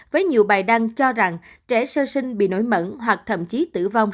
với nhiều bài đăng cho rằng trẻ sơ sinh bị nổi mẩn hoặc thậm chí tử vong